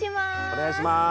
お願いします。